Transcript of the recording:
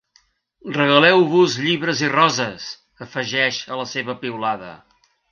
Regaleu-vos llibres i roses, afegeix a la seva piulada.